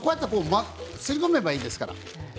すり込めばいいですからね。